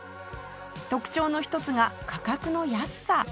特徴の一つが価格の安さ